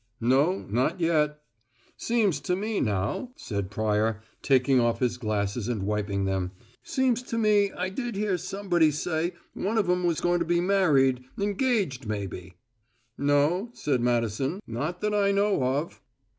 "No; not yet." "Seems to me now," said Pryor, taking off his glasses and wiping them, "seems to me I did hear somebody say one of 'em was going to be married engaged, maybe." "No," said Madison. "Not that I know of."